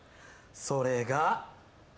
それが。